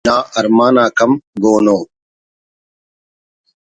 نا ارمانک ہم گون ءُ